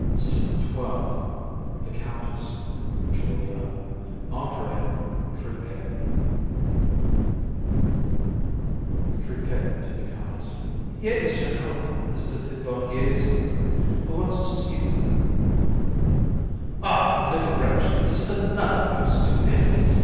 SCENE XII. THE COUNTESS, JULIA, ANDRÉE, CRIQUET. CRI. (to the COUNTESS). Here is Jeannot, Mr. Thibaudier's man, who wants to see you, Ma'am. COUN. Ah! you little wretch, this is another of your stupidities.